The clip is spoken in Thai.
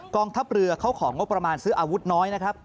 กองทับเรือเขาของงฎประมาณซื้ออาวุธน้อย